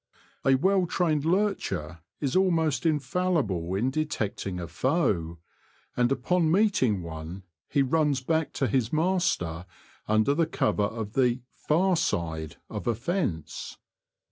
A well trained lurcher is almost infallible in detecting a foe, and upon meeting one he runs back to his master under cover of the far side of a fence.